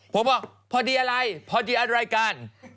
ผมก็บอกพอดีอะไรพอดีอะไรกัน